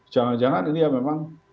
jangan jangan ini ya memang